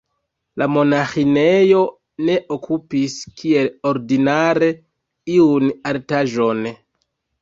La monaĥinejo ne okupis, kiel ordinare, iun altaĵon.